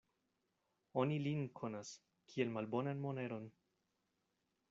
Oni lin konas, kiel malbonan moneron.